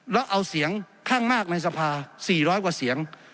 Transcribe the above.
แล้วเอาเสียงข้างมากในสภา๔๐๐กว่าเสียง